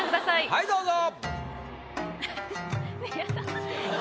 はいどうぞ。